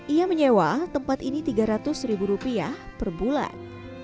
ia menyewa tempat ini rp tiga ratus per bulan